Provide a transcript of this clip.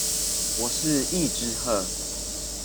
我是一隻鶴